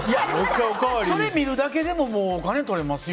それ見るだけでもお金取れますよ。